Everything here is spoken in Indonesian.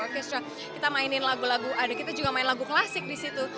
terus kita mainin lagu lagu aduh kita juga main lagu klasik di situ